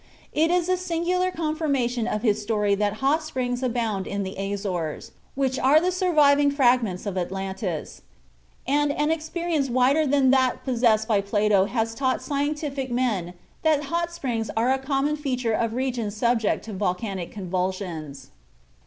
It is a singular confirmation of his story that hot springs abound in the Azores, which are the surviving fragments of Atlantis; and an experience wider than that possessed by Plato has taught scientific men that hot springs are a common feature of regions subject to volcanic convulsions.